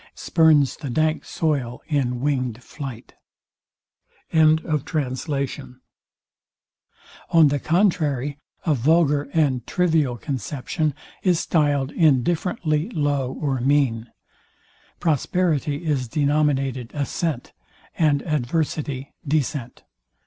[Spurns the dank soil in winged flight.] On the contrary, a vulgar and trivial conception is stiled indifferently low or mean. Prosperity is denominated ascent, and adversity descent.